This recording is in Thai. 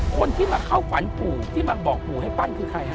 คนที่มาเข้าฝันปู่ที่มาบอกปู่ให้ปั้นคือใครฮะ